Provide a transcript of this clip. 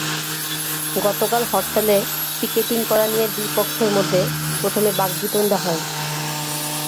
গতকাল হরতালে পিকেটিং করা নিয়ে দুই পক্ষের মধ্যে প্রথমে বাগিবতণ্ডা হয়।